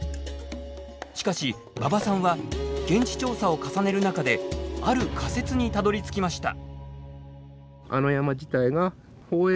しかし馬場さんは現地調査を重ねる中である仮説にたどりつきました。